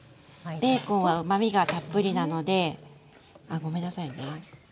ベーコンはうまみがたっぷりなのであごめんなさいね。